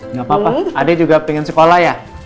nggak apa apa ade juga pengen sekolah ya